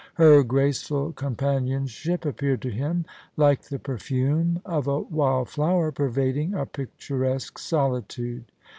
Her graceful companionship appeared to him like the perfume of a wild flower pervading a picturesque solitude.